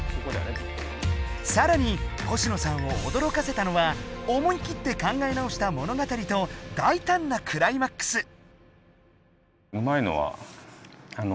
さらに星野さんをおどろかせたのは思い切って考え直した物語と大たんなクライマックス。